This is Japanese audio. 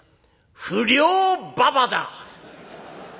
「『不良馬場』だ！」。